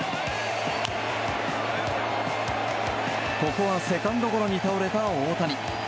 ここはセカンドゴロに倒れた大谷。